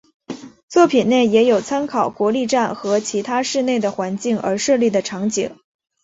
作品内也有参考国立站和其他市内的环境而设计的场景。